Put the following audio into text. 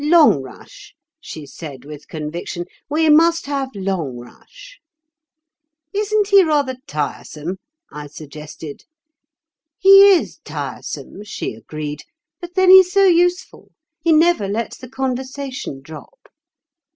'Longrush,' she said with conviction, 'we must have Longrush.' 'Isn't he rather tiresome?' I suggested. 'He is tiresome,' she agreed, 'but then he's so useful. He never lets the conversation drop.